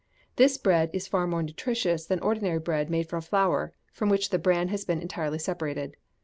This bread is far more nutritious than ordinary bread made from flour from which the bran has been entirely separated.